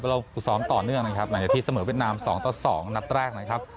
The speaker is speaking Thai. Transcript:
เพราะเราผู้ซ้อมต่อเนื่องนะครับหนังยาทีเสมอเวียดนามสองต่อสองนัดแรกนะครับ